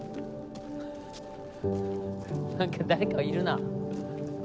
何か誰かいるな。